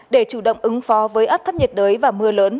để chủ động ứng phó với áp thấp nhiệt đới và mưa lớn